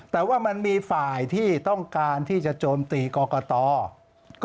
แต่ว่ามันมีฝ่ายที่ต้องการที่จะโจมตีกรกต